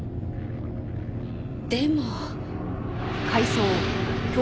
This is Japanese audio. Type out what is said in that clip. でも。